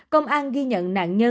công an ghi nhận nạn nhân